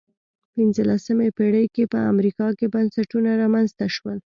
پنځلسمې پېړۍ کې په امریکا کې بنسټونه رامنځته شول.